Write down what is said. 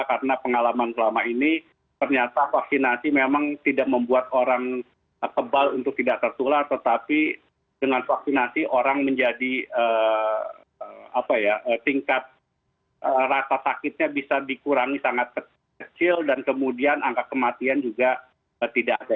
karena pengalaman selama ini ternyata vaksinasi memang tidak membuat orang kebal untuk tidak tertular tetapi dengan vaksinasi orang menjadi tingkat rasa sakitnya bisa dikurangi sangat kecil dan kemudian angka kematian juga tidak ada